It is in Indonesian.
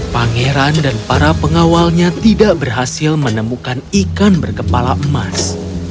pangeran dan para pengawalnya tidak berhasil menemukan ikan berkepala emas